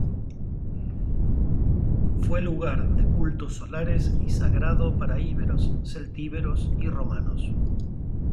Fue lugar de cultos solares y sagrado para íberos, celtíberos y romanos.